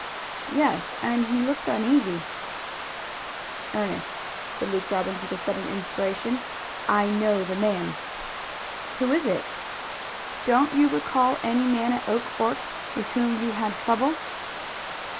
"Yes, and he looked uneasy." "Ernest," said Luke Robbins, with a sudden inspiration, "I know the man." "Who is it?" "Don't you recall any man at Oak Forks with whom you had trouble?"